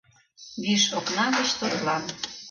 ...Виш окна гыч тудлан